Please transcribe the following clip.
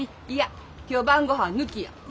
いや今日晩ごはん抜きや。